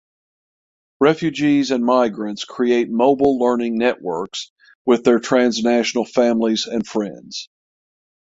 Refugees and migrants create mobile learning networks with their transnational families and friends.